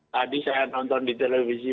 tadi saya nonton di televisi